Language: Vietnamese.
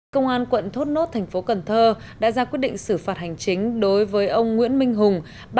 công an quận thốt nốt thành phố cần thơ đã ra quyết định xử phạt hành chính đối với ông nguyễn minh hùng